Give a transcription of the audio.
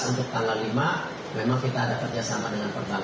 untuk tanggal lima memang kita ada kerjasama dengan perbankan